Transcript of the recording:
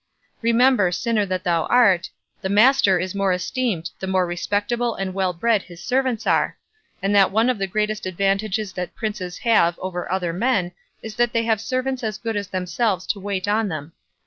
Remember, sinner that thou art, the master is the more esteemed the more respectable and well bred his servants are; and that one of the greatest advantages that princes have over other men is that they have servants as good as themselves to wait on them.